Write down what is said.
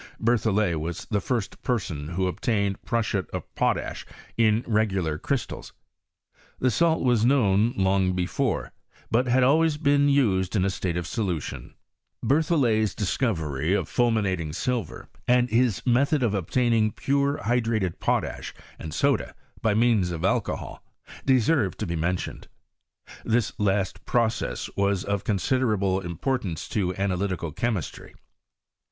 Berthollet was the first person who obtained prussiate of potash in regu lar crystals ; the salt was known long before, but had been always used in a state of solution, Berthollet's discovery of fidmlnating silver, and bis method of obtaining pure hydrated potash and 8oda, by means of alcohol, deserve to be mentioned. This last process was of considerable importance to analytical chemistry.